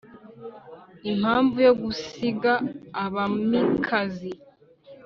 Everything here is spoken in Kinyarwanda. impamvu yo gusiga abamikazi